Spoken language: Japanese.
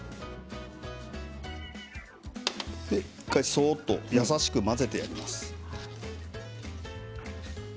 そっと優しく混ぜてやります。